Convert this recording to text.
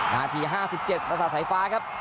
นาที๕๗ราศาสไฟฟ้าครับ